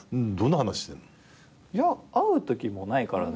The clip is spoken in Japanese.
いや会うときもないからね。